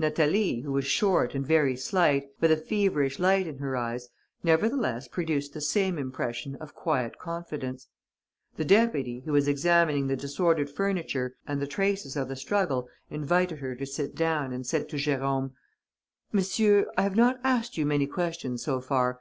Natalie, who was short and very slight, with a feverish light in her eyes, nevertheless produced the same impression of quiet confidence. The deputy, who was examining the disordered furniture and the traces of the struggle, invited her to sit down and said to Jérôme: "Monsieur, I have not asked you many questions so far.